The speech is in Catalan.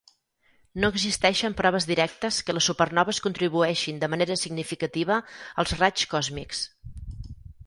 No existeixen proves directes que les supernoves contribueixin de manera significativa als raigs còsmics.